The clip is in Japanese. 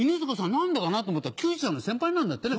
何でかな？と思ったら球児さんの先輩なんだってね？